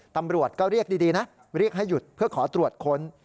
ตำรวจก็เรียกดีนะเรียกให้หยุดเพื่อขอตรวจค้น